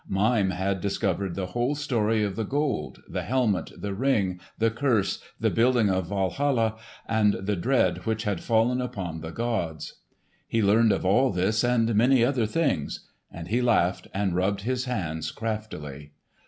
Mime had discovered the whole story of the Gold, the helmet, the Ring, the curse, the building of Walhalla, and the dread which had fallen upon the gods. He learned of all this and many other things; and he laughed and rubbed his hands craftily.